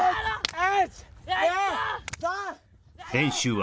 １！